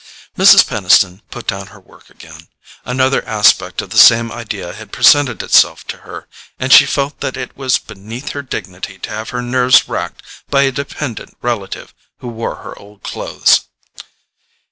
Mrs. Peniston put down her work again. Another aspect of the same idea had presented itself to her, and she felt that it was beneath her dignity to have her nerves racked by a dependent relative who wore her old clothes.